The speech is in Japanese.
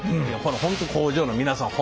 本当工場の皆さん